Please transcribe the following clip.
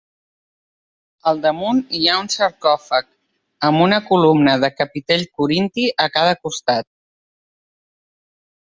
Al damunt hi ha un sarcòfag, amb una columna de capitell corinti a cada costat.